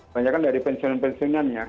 banyak kan dari pensiun pensiunan ya